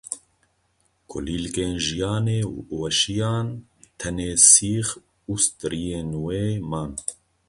Kulîlkên jiyanê weşiyan, tenê sîx û striyên wê man.